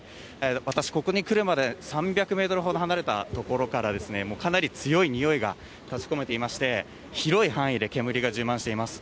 私、ここに来るまで、３００メートルほど離れた所から、もうかなり強いにおいが立ちこめていまして、広い範囲で煙が充満しています。